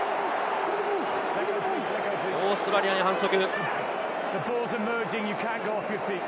オーストラリアに反則。